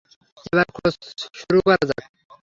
এবার খোঁজ শুরু করা যাক।